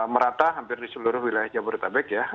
merata hampir di seluruh wilayah jabodetabek ya